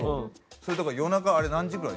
だから夜中あれ何時ぐらい？